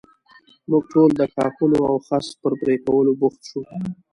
موږ ټول د ښاخونو او خس پر پرې کولو بوخت شو.